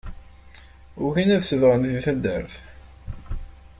Ugin ad zedɣen di taddart.